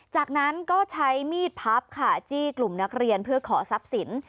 จากนั้นก็ใช้มีดพับค่ะจี้กลุ่มนักเรียนเพื่อขอทรัพย์สิน